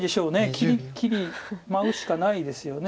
きりきり舞うしかないですよね。